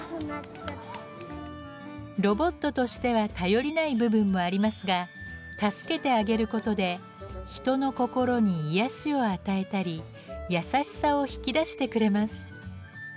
ロボットとしては頼りない部分もありますが助けてあげることで人の心に癒やしを与えたり優しさを引き出してくれます。